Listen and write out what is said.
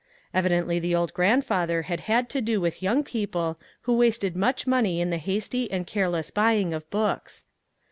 Evidently the old grandfather had had to do with young people who wasted much money in the hasty and care less buying of books.